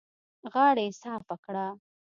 غاړه يې صافه کړه.